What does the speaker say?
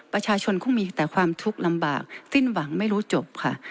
ประชาชนคงมีแต่ความทุกข์ลำบากสิ้นหวังไม่รู้จบค่ะ